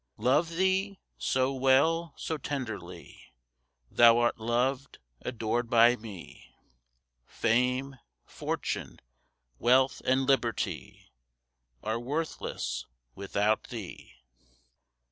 Love thee? so well, so tenderly, Thou'rt loved, adored by me, Fame, fortune, wealth, and liberty, Are worthless without thee.